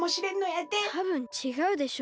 たぶんちがうでしょ。